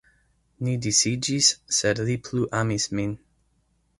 Ni disiĝis, sed li plu amis min.